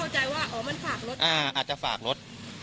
ซึ่งเราก็เข้าใจว่ามันฝากรถ